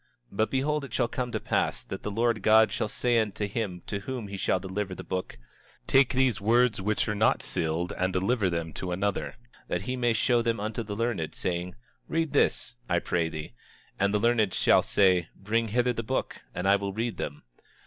27:15 But behold, it shall come to pass that the Lord God shall say unto him to whom he shall deliver the book: Take these words which are not sealed and deliver them to another, that he may show them unto the learned, saying: Read this, I pray thee. And the learned shall say: Bring hither the book, and I will read them.